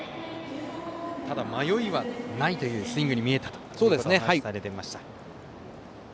ただ、迷いはないというスイングに見えたとお話されていました。